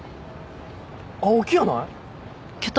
青木やない？